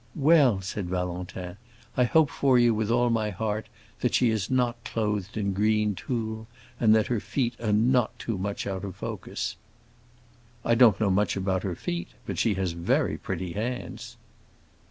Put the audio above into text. "Well," said Valentin, "I hope for you with all my heart that she is not clothed in green tulle and that her feet are not too much out of focus." "I don't know much about her feet, but she has very pretty hands."